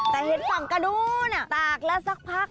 แต่เห็นฝั่งกระนู้นตากแล้วสักพัก